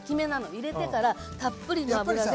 入れてからたっぷりの油で。